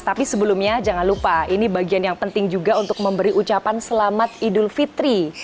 tapi sebelumnya jangan lupa ini bagian yang penting juga untuk memberi ucapan selamat idul fitri